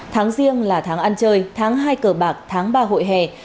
tháng riêng là tháng ăn chơi tháng hai cờ bạc tháng ba hội hè